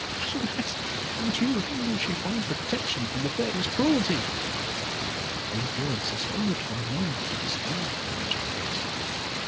Alas! without you, how will she find protection from the Fairy's cruelty?" These words suspended for a moment the despair of the wretched Prince.